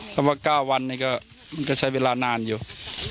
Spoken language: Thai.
เพราะว่า๙วันเนี่ยก็ใช้เวลานานอยู่